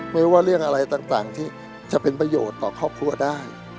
ไม่ว่าเรื่องอะไรต่างที่จะเป็นประโยชน์ต่อครอบครัวได้